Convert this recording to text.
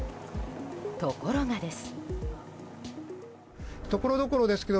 ところがです。